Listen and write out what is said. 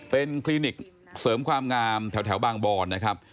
เป็นคลินิกเสริมความงามแถวบางบอนนะครับ